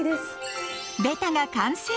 「ベタ」が完成。